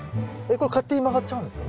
これ勝手に曲がっちゃうんですか？